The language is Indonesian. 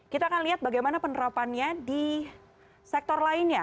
kita akan lihat bagaimana penerapannya di sektor lainnya